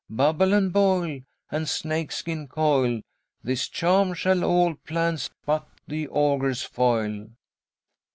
Bubble and boil, and snake skin coil! This charm shall all plans but the Ogre's foil.'"